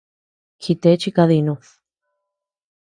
Jite chi kadinud.